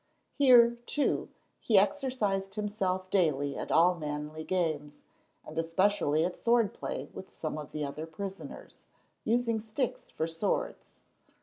Here, too, he exercised himself daily at all manly games, and especially at sword play with some of the other prisoners, using sticks for swords.